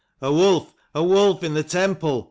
" A wolf, a wolf in the temple